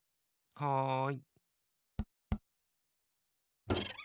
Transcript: ・はい。